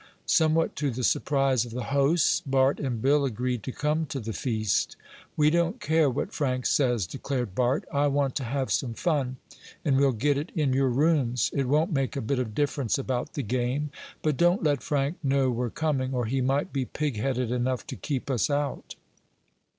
Somewhat to the surprise of the hosts Bart and Bill agreed to come to the feast. "We don't care what Frank says," declared Bart. "I want to have some fun, and we'll get it in your rooms. It won't make a bit of difference about the game. But don't let Frank know we're coming, or he might be pig headed enough to keep us out."